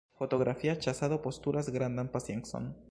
Fotografia ĉasado postulas grandan paciencon.